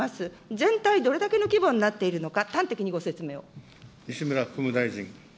全体どれだけの規模になっているのか、端的にご説明を。